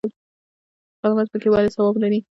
خدمت پکې ولې ثواب دی؟